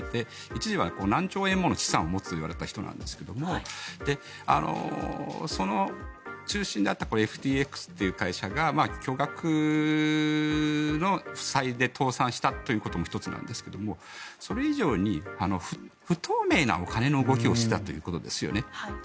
一時は何兆円もの資産を持つといわれていた人ですがその中心であったＦＴＸという会社が巨額の負債で倒産したということも１つなんですがそれ以上に不透明なお金の動きをしていたということですよね。